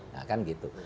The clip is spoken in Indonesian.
nah kan gitu